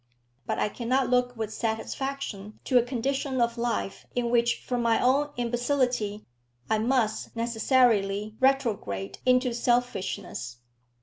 But I cannot look with satisfaction to a condition of life in which, from my own imbecility, I must necessarily retrograde into selfishness.